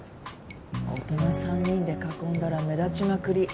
大人３人で囲んだら目立ちまくり。